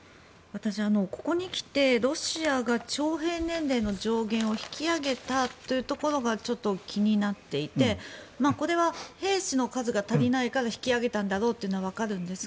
ここへ来て、ロシアが徴兵年齢の上限を引き上げたというところが気になっていてこれは兵士の数が足りないから引き上げたんだろうというのはわかるんですが。